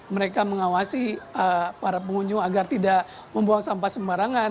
mereka mengawasi para pengunjung agar tidak membuang sampah sembarangan